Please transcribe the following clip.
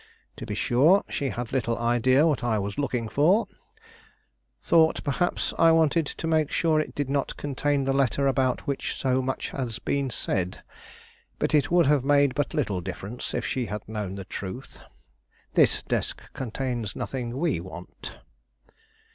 To be sure, she had little idea what I was looking for; thought, perhaps, I wanted to make sure it did not contain the letter about which so much has been said. But it would have made but little difference if she had known the truth. This desk contains nothing we want."